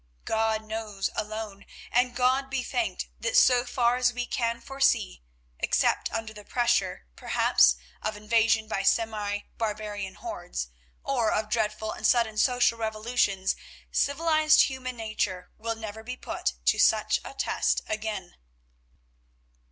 God knows alone, and God be thanked that so far as we can foresee, except under the pressure, perhaps, of invasion by semi barbarian hordes, or of dreadful and sudden social revolutions, civilized human nature will never be put to such a test again.